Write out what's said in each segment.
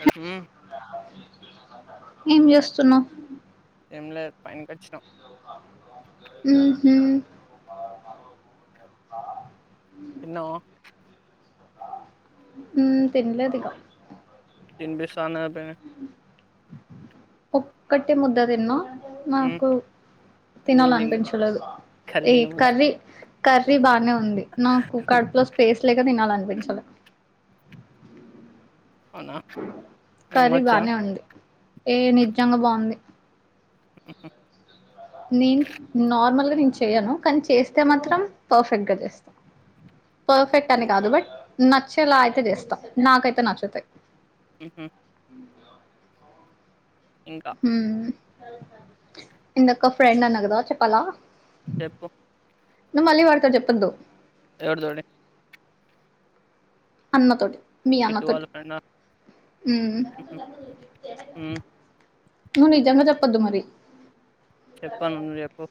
అ హుమ్ ఏం చేస్తున్నావు ఏం లేదు పైన కచ్చినాం ఊ హూ తిన్నావా ఊ తిన్లేదిక తిన్పిస్తా అన్నది అత్తనే ఒక్కట్టే ముద్ద తిన్నా హ్మ్ నాకు నీది నిన్న తినాలన్పించలేదు కర్రీ ఈ తినబుద్ధి కర్రీ కర్రీ బాగనే ఉంది నాకు కడుపులో స్పేస్ లేక తినాలనిపించలా అవునా కర్రీ నమ్మొచ్చా బానే ఉంది ఏ నిజంగా బావుంది ఉ నీను నార్మల్ గా నేను చెయ్యను కానీ చేస్తే మాత్రం పర్ఫెక్ట్ గా చేస్తా పర్ఫెక్ట్ అని కాదు బట్ నచ్చేలా అయితే చేస్తా నాకైతే నచ్చుతాయి ఊహూ ఉంటా ఇందాక ఫ్రెండ్ అన్నా గదా చెప్పాలా చెప్పు నువ్ మళ్ళీ వాడితో చెప్పొద్దు ఎవడి తోడే అన్న తోటి మీ ఆన్న కిట్టు వాళ్ళ తోటి ఫ్రెండా ఉమ్ ఊహూ హ్మ్ నువ్ నిజంగా చెప్పద్దు మరి చెప్పను నువ్ చెప్పు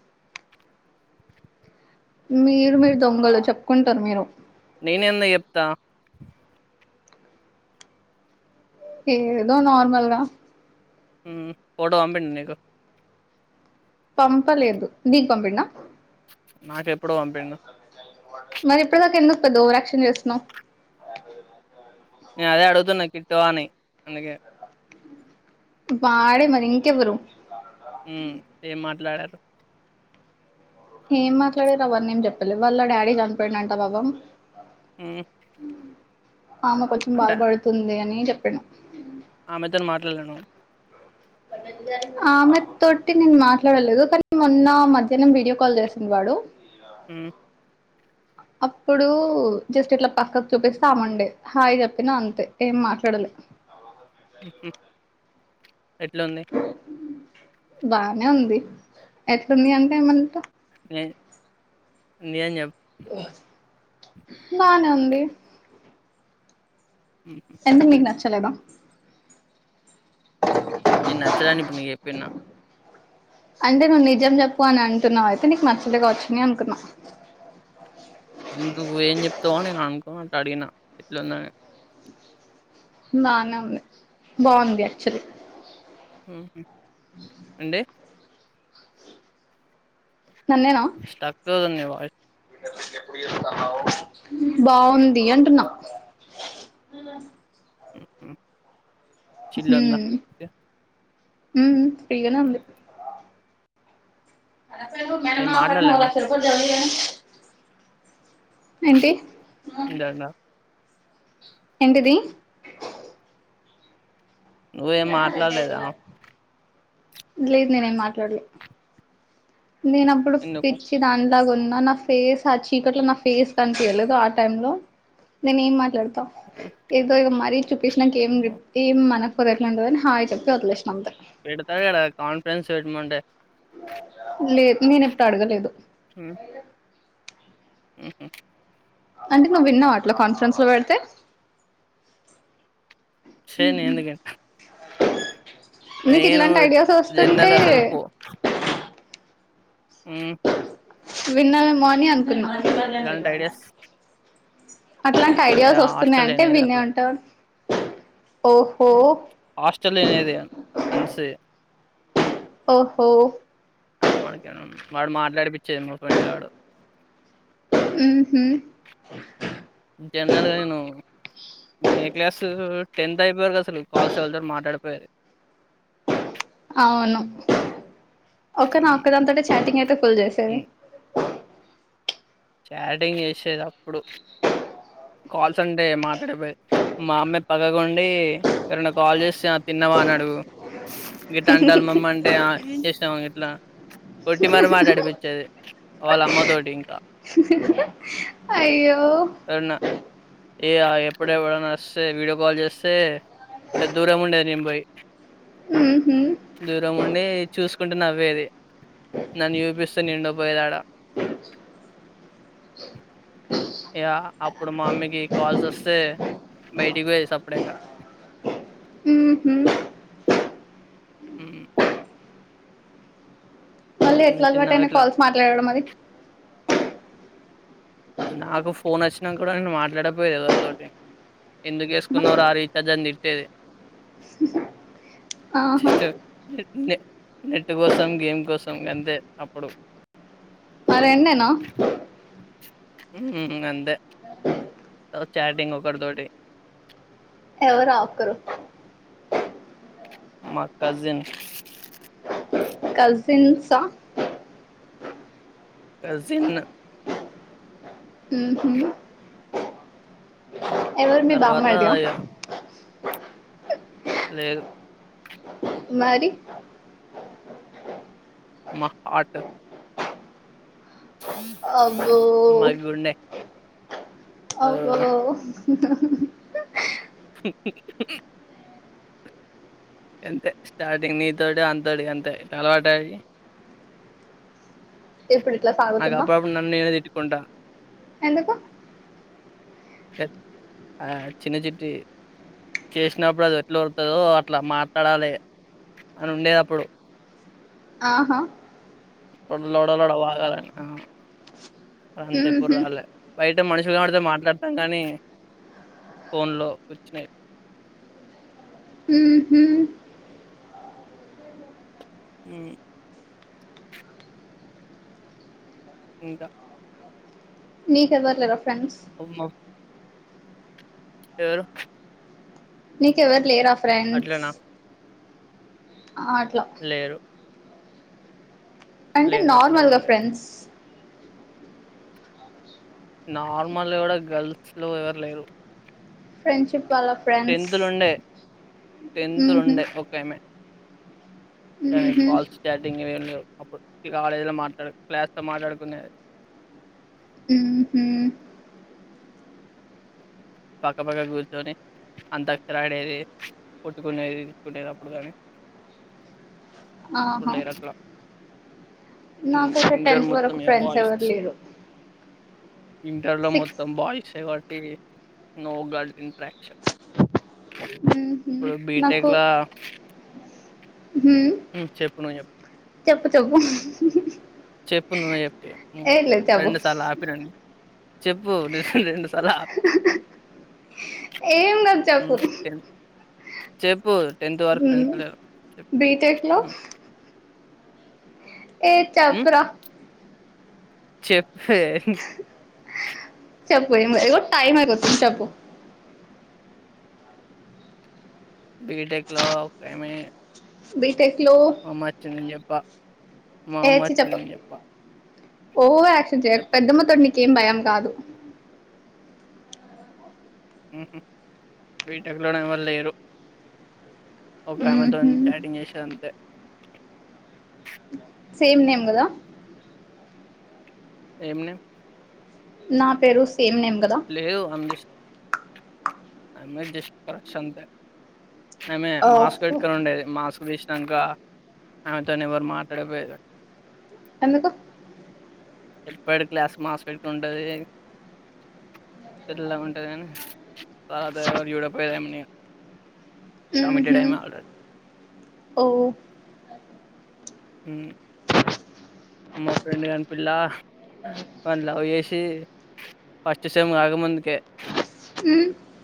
మీరు మీరు దొంగలు చెప్పుకుంటారు మీరు నేనెందుకు చెప్తా ఏదో నార్మల్ గా ఊ ఫోటో బంపిండు నీకు పంపలేదు నీకు పంపిండా నాకెప్పుడో పంపిండు మరి ఇప్పుడు దాకా ఎందుకు పెద్ద ఓవరాక్షన్ చేస్తున్నావ్ నేను అదే అడుగుతున్నా కిట్టోవా అని అందుకే వాడే మరి ఇంకెవ్వరు ఊ ఏం మాట్లాడారు ఏం మాట్లాడారు అవన్నీ ఏం చెప్పలే వాళ్ళ డాడీ చనిపోయిండట పాపం ఊ ఆమె కొంచెం బాధపడుతుంది అని చెప్పిన్ను ఆమెతోని మాట్లాడలేను ఆమె తోటి నేను మాట్లాడలేదు కానీ మొన్న మధ్యాహ్నం వీడియో కాల్ చేసిండు వాడు ఇ ఊ అప్పుడు జస్ట్ ఇట్లా పక్కకు చూపేసామండే హాయ్ చెప్పిన అంతే ఏం మాట్లాడలే హు హమ్ ఎట్లా ఉంది బానే ఉంది ఎట్లుంది అంటే ఏమంట నే నిజం చెప్ బానే ఉంది ఎందుకు మీకు నచ్చలేదా నేను నచ్చదని ఇప్పుడు నీకు చెప్పిన అంటే నువ్వు నిజం చెప్పు అని అంటున్నావు అయితే నీకు నచ్చదు కావచ్చు అని అనుకున్నా నువ్వు ఏం చెప్తావ నేను అనుకో అట్లా అడిగిన ఎట్లా ఉందని [unintelligible] బానే ఉంది బాగుంది యాక్చులీ హూ హమ్ అండి నన్నేనా ఇస్తక్ ధన్యవాద [unintelligible] బావుంది అంటున్నా అ [unintelligible] ఉందా? హమ్ ఓకే. ఫ్రీగానే హ్మ్. వుంది అ మ ఏం మా కట్ట్టన వాల మాట్లాడలేను. [unintelligible] ఫరుపు జల్దుగాని ఏంటి జనా [unintelligible] ఎంటిది నువ్వు ఏమ్ మాట్లాడలేదా లేదు నేను ఏం మాట్లాడలే నేను అప్పుడు ఎందుకు? పిచ్ దాంట్లాగా ఉన్న నా ఫేస్ ఆ చీకట్లో నా ఫేస్ కనిపియలేదు ఆ టైమ్ లో నేను ఏం మాట్లాడతా హ్మ్. ఏదో ఇగ మరీ చూపిచినక ఏం ఓహో! ఏం మన ఎట్లుంటదో అని హాయి చెప్పి వదిలేసిన అంతే పెడతాడు కద కాన్ఫరెన్స్ పెట్టమంటే లేదు నేను ఎప్పుడు అడగలేదు హ [unintelligible] హూ హమ్ అంటే నువ్వు విన్నావ అట్లా కాన్ఫరెన్స్ లో పెడితే చే నేను ఎందుకే నీకు ఇట్లాంటి ఐడియాస్ వస్తుంటే జనరల్ అసలు పో ఉం విన్న నేమో అని అనుకున్నా ఇలాంటి ఐడియాస్ అట్లాంటి అంటే ఐడియాస్ వస్తున్నాయి హాస్టల్‌లో అంటే ఇనేది వినే అట్లా. ఉంటావు ఓహో హాస్టల్ అనేది ఫెండ్స్ ఓహో [unintelligible] అప్ప మనకేమ వాడు మాట్లాడి పచ్చేది మా ఫ్రెండ్గాడు హూ హమ్ జనాలుగా నేను [unintelligible] నేను ఏ క్లాస్ టెన్త్ అయిపోయాక అసలు కాల్స్ ఎవరితోటి మాట్లాడుకోలే అవును ఒక హ్మ్. ఒక్కదాంతో చాటింగ్ అయితే ఫుల్ చేసేది హ్మ్. చాటింగ్ చేసేది అప్పుడు కాల్స్ అంటే మాట్లాడపోయేది మా అమ్మా పక్కకు ఉండి ఎవరైనా కాల్ చేస్తే తిన్నావా అని అడుగు గిట్ల అంటాల్లు మమ్మి అంటే ఇట్లా కొట్టి మరీ మాటలాడిపించేది వాళ్ళ అమ్మ తోటి ఇంకా అయ్యో అన్న ఏ ఎప్పుడు ఎప్పుడన్నా వస్తే వీడియో కాల్ చేస్తే దూరం ఉండేది నేను పోయి ఉ హు దూరం ఉండి చూసుకుంటూ నవ్వేది నన్ను చూపిస్తూ నేను ఉండ పోయేది అడా ఇక అప్పుడు మా అమ్మకి కాల్స్ వస్తే బయటికి పోయేది సప్పుడేక ఊహూ ఉ మళ్ళీ చిన్న ఎట్లా అలవాటు చిన్నగా అయినావు ఇట్లా కాల్స్ మాట్లాడడం అది నాకు ఫోన్ వచ్చినా కూడా నేను మాట్లాడకపోయది ఎవరితోటి ఎందుకు వేసుకున్నార ఆ రీఛార్జ్ అని తిట్టేది ఉ హు జస్ట్ నెట్ కోసం గేమ్ కోసం గంతే అప్పుడు ఆ రెండేనా ఉ గంతే చాటింగ్ ఒకరీతోటి ఎవరు ఆ ఒకరు మా కజిన్ కజిన్సా కజిన్ ఉహు ఎవరు మీ తర్వాత బామ్మర్ది ఇగ ఆ లేదు మరి మా హార్ట్ అబ్బో మా గుండె ఆ ఓహా అంతే స్టార్టింగ్ నీతోటి అంతటి అంటే అలవాటయి ఇప్పుడు ఇట్లా నాకు సాగుతుందా అప్పుడప్పుడు నన్ను నీనే తిట్టుకుంట ఎందుకు ఆ చిన్న చిట్టీ చేసినప్పుడు అది ఎట్లా ఒరుతదో అట్లా మాట్లాడాలి అని ఉండేది అప్పుడు ఆహా లోడలోడ వాగాలే గంత ఎప్పుడు ఊహూ రాలే బయట మనుషులు కనబడితే మాట్లాడతాం కానీ ఫోన్లో ఉ ఉ ఇంకా మీకెవ్వరులేరా ఫ్రెండ్స్ ఉన్నరు ఎవరు నీకెవరు లేరా ఫ్రెండ్స్ అట్లనా? అట్లా లేరు అంటే లేరు అట్లా నార్మల్గా ఎవరు లేరు. ఫ్రెండ్స్ నార్మల్గా కూడా గర్ల్స్ లో ఎవరు లేరు ఫ్రెడ్షిప్ వాళ్ళ ఫ్రెండ్స్ టెన్త్లుండే టెన్త్లు ఊహు ఉండే ఒకేమే ఊహు ఫల్స్ స్టార్టింగ్ ఇవి ఉండవు అప్పుడు కాలేజీలో మాట్లాడు క్లాస్తో మాట్లాడుకునేది ఉహూ పక్కపక్కన కూర్చొని అంత అక్షరాడేది కొట్టుకునేది తిట్టుకునేది అప్పుడు కాని ఆహా లేరట్లా. హ్మ్. నాకొక ఇంటర్ టెన్త్ మొత్తం వరకు ఇగ ఫ్రెండ్స్ ఎవరు లేరు ఇంటర్లో సిక్స్ మొత్తం బాయ్స్ ఏ కాట్టి నో గర్ల్ ఇంట్రాక్షన్ ఊహు ఇప్పుడు బీటెక్ లా హ ఉ చెప్పు నువు చెప్పు చెప్పు చెప్పు చెప్పు నువ్వే చెప్పి ఇగ ఏం లేదు చెప్పు రెండు సార్లు ఆపి చెప్పండి చెప్పు నేను రెండు సార్లు ఏం లేదు చెప్పు [inaudible] చెప్పు టెన్త్ వరకు మ్మ్ ఫ్రెండ్స్ లేరు చెప్పు బీటెక్లో హ్మ్. ఏ హ్మ్. చెప్పురా చెప్పే చెప్పు టైమ్ అయిపోతుంది చెప్పు బీటెక్లో ఒకమే బీటెక్లో అమ్మొచ్చి నేన్ చెప్ప ఏడ్చి చెప్ప ఓవర్యాక్షన్ చేయకు చెప్పా. పెద్దమ్మ తోడు నీకేం భయం కాదు బీటెక్లోని ఎవరు లేరు ఒక ఊహు అమెతోన్ చాటింగ్ చేసేదింతే సేమ్ నేమ్ కదా ఏం నేమ్ నా పేరు సేమ్ నేమ్ కదా లేదు అండి ఆమె జస్ట్ పరిచయ్ అంతే ఆమె మాస్క్ ఓహో పెట్టుకొని ఉండేది మాస్క్ తీసినంక ఆమెతోని ఎవరు మాట్లాడకపోయరు ఎందుకు ఎప్పుడు క్లాస్ మాస్క్ పెట్టుకుంటది తెల్లగుంటది గాని పాపం ఎవరు చూడకపోయేరు ఆమెని ఊహు టమమిటడైమ ఆడ ఓ ఈ మా ఫ్రెండ్ కాని పిల్ల వాళ లవ్ చేసి ఫస్ట్ సెమ్ ఆగ ముందుకే హ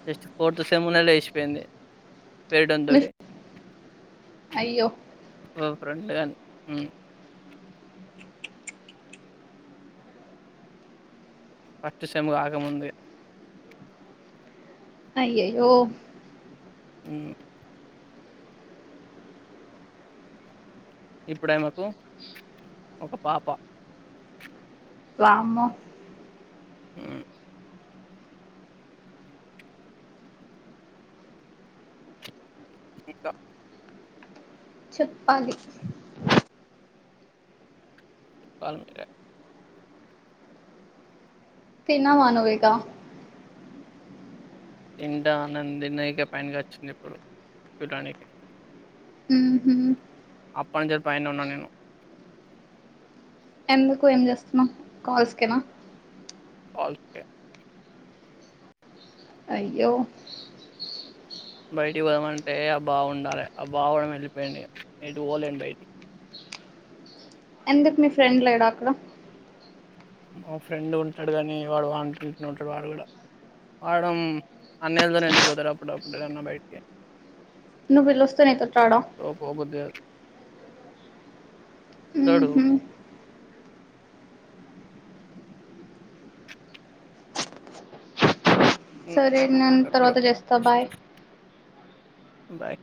జస్ట్ ఫోర్త్ సెమ్న్ లో లేచిపోయింది మీ పెరడొందోడి అయ్యో ఫ్రెండ్గా పట్టి సేమ్ కాకముంది అయ్యయి ఓ హ్మ్మ్ ఇప్పుడే మాకు ఒక పాప వామ్మో ఆ ఇంకా చెప్పాలి ప మీ తిన్నావా నువ్వు ఏదన్నా ఇంట ఆనందిక పైనగా వచ్చింది ఇప్పుడు చూడడానికి ఉ అప్పటినుంచి పైనే ఉన్నా నేను ఎందుకు ఏం చేస్తున్నాం కాల్స్కేనా కల్స్ ఎ అయ్యో బయటికి పోదామంటే ఆ బాగుండాలి ఆ బా కూడా వెళ్ళిపోయింది అది పోలేండి బయటికి ఎందుకు మీ ఫ్రెండ్లు లేడా అక్కడ మా ఫ్రెండ్ ఉంటాడు కానీ వాడు వానే ఉంటాడు వాడు కూడా వాడం అన్నేళ్ళతోని వెళ్ళిపోతారు అప్పుడప్పుడు ఏన్నా బయటికి నువ్వు వెల్లుస్తేనేయి త్రాడా పొగుది కాదు వస్తాడు ఊహు సరే నను ఎక్కడో తర్వాత చేస్తా బాయ్ బాయ్